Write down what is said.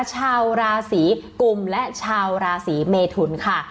ชาวราศีกุมและชาวราศีเมทุนค่ะ